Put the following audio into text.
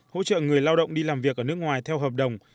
hỗ trợ người lao động đi làm việc ở nước ngoài theo hợp đồng